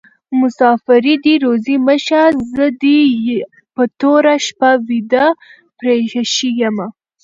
مسافري دي روزي مشه: زه دي په توره شپه ويده پریښي يمه